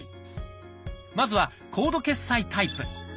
まずは「コード決済」タイプ。